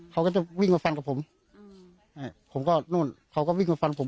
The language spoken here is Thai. เขาก็จะวิ่งมาฟันกับผมอืมอ่าผมก็นู่นเขาก็วิ่งมาฟันผม